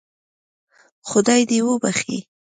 خدای دې وبخشي.